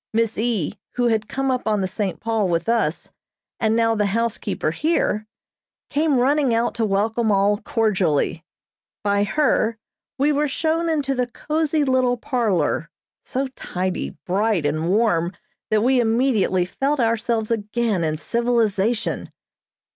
Miss E., who had come up on the "St. Paul" with us, and now the housekeeper here, came running out to welcome all cordially. By her we were shown into the cozy little parlor, so tidy, bright and warm that we immediately felt ourselves again in civilization.